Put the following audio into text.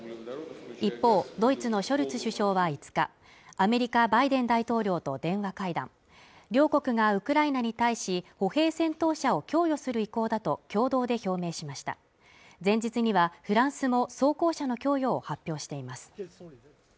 一方ドイツのショルツ首相は５日アメリカ・バイデン大統領と電話会談両国がウクライナに対し歩兵戦闘車を供与する意向だと共同で表明しました前日にはフランスの装甲車の供与を発表しています